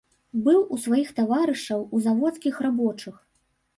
Быў у сваіх таварышаў, у заводскіх рабочых.